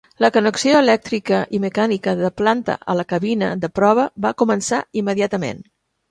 La connexió elèctrica i mecànica de planta a la cabina de prova va començar immediatament.